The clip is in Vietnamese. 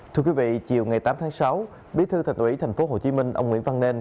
thưa quý vị chiều ngày tám tháng sáu bí thư thành ủy tp hcm ông nguyễn văn nên